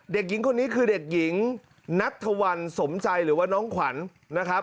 เด็กหญิงคนนี้คือเด็กหญิงนัทธวัลสมใจหรือว่าน้องขวัญนะครับ